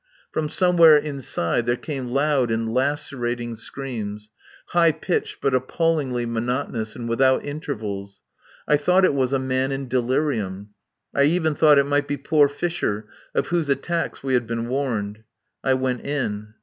From somewhere inside there came loud and lacerating screams, high pitched but appallingly monotonous and without intervals. I thought it was a man in delirium; I even thought it might be poor Fisher, of whose attacks we had been warned. I went in.